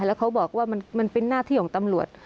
แล้วเขาบอกว่ามันเป็นหน้าที่ของตำรวจ